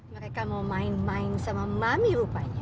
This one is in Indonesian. mereka mau main main sama mami rupanya